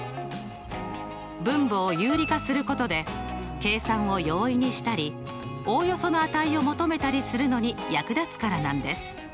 分母を有理化することで計算を容易にしたりおおよその値を求めたりするのに役立つからなんです。